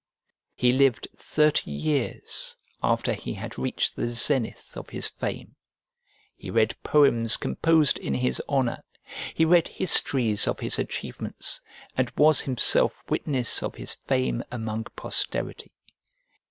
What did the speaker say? He lived thirty years after he had reached the zenith of his fame. He read poems composed in his honour, he read histories of his achievements, and was himself witness of his fame among posterity.